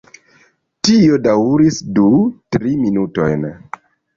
Tio daŭris du, tri minutojn.